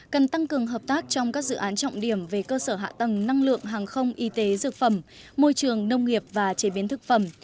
cần tăng cường hợp tác trong các dự án trọng điểm về cơ sở hạ tầng năng lượng hàng không y tế dược phẩm môi trường nông nghiệp và chế biến thực phẩm